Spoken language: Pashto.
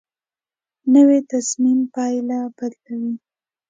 نوې تصمیم پایله بدلوي